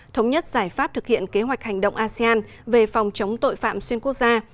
thống nhất giải pháp thực hiện kế hoạch hành động asean về phòng chống tội phạm xuyên quốc gia